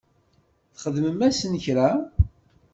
Txdem-asen kra?